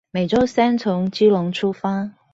每週三天從基隆出發